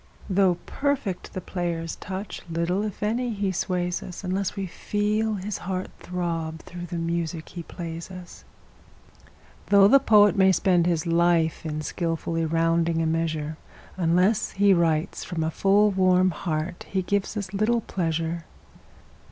Though perfect the player's touch, little, if any, he sways us, Unless we feel his heart throb through the music he plays us. Though the poet may spend his life in skilfully rounding a measure, Unless he writes from a full, warm heart he gives us little pleasure.